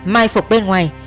mai phục bên ngoài